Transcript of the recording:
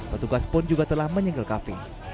petugas pun juga telah menyinggalkan